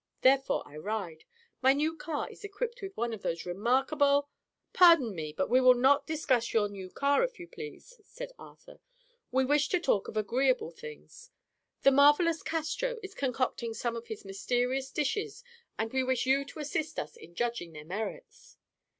Therefore I ride. My new car is equipped with one of those remarkable—" "Pardon me; we will not discuss your new car, if you please," said Arthur. "We wish to talk of agreeable things. The marvelous Castro is concocting some of his mysterious dishes and we wish you to assist us in judging their merits."